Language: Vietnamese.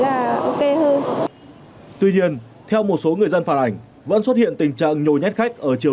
là ok hơn tuy nhiên theo một số người dân phản ảnh vẫn xuất hiện tình trạng nhồi nhét khách ở chiều